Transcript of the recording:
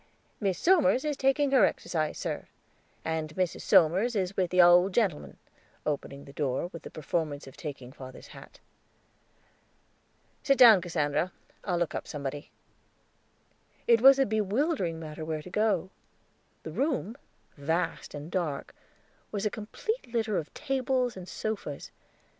"Miss Somers is taking her exercise, sir, and Mrs. Somers is with the owld gentleman"; opening the door, with the performance of taking father's hat. "Sit down, Cassandra. I'll look up somebody." It was a bewildering matter where to go; the room, vast and dark, was a complete litter of tables and sofas.